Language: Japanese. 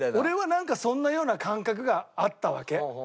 俺はなんかそんなような感覚があったわけ。